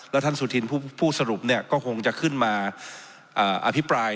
แล้วท่านสุธินผู้สรุปก็คงจะขึ้นมาอภิปราย